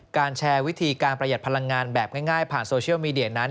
แชร์วิธีการประหยัดพลังงานแบบง่ายผ่านโซเชียลมีเดียนั้น